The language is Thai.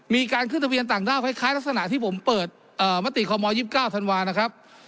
มีการขึ้นทะเบียนต่างด้าคล้ายคล้ายลักษณะที่ผมเปิดเอ่อประติกรมมอร์ยี่สิบเก้าธรรมวานะครับ